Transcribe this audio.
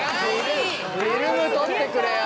フィルム取ってくれよ。